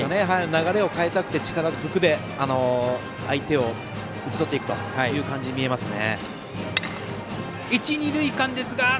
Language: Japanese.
流れを変えたくて力ずくで打ち取っていくという感じに見えますね。